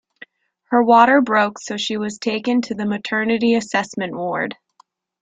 Her waters broke so she was taken to the maternity assessment ward.